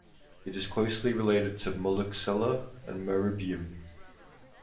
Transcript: It is closely related to "Moluccella" and "Marrubium".